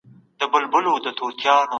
په مجلس کي بحثونه څنګه پیلېږي؟